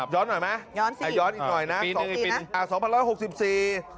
ย้อนหน่อยไหมย้อนสิย้อนอีกหน่อยนะ๒ปีนะ